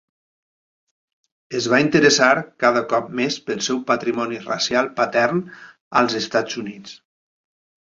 Es va interessar cada cop més pel seu patrimoni racial patern als Estats Units.